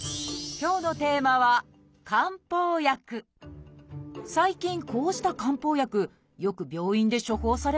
今日のテーマは最近こうした漢方薬よく病院で処方されませんか？